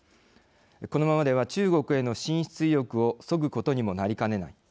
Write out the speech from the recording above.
このままでは中国への進出意欲をそぐことにもなりかねない。